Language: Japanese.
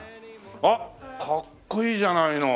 あっかっこいいじゃないの。